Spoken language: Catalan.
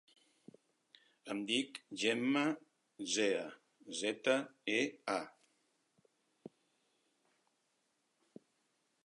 Em dic Gemma Zea: zeta, e, a.